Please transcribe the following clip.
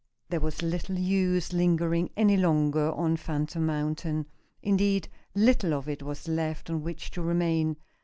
There was little use lingering any longer on Phantom Mountain indeed little of it was left on which to remain.